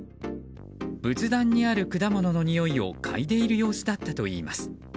仏壇にある果物のにおいをかいでいる様子だったといいます。